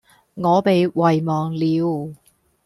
我被遺忘了